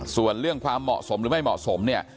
ส่วนเรื่องความเหมาะสมหรือไม่เหมาะสมเนี่ย